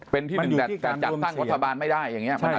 เป็นที่หนึ่งแต่จัดตั้งรัฐบาลไม่ได้อย่างนี้